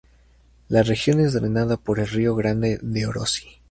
La región es drenada por el río Grande de Orosi.